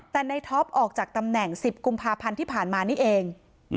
แต่ในท็อปออกจากตำแหน่ง๑๐กุมภาพันธ์ที่ผ่านมานี่เอง